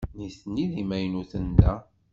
Nitni d imaynuten da.